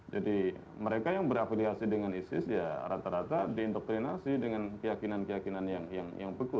jadi mereka yang berafiliasi dengan istis ya rata rata diindoktrinasi dengan keyakinan keyakinan yang beku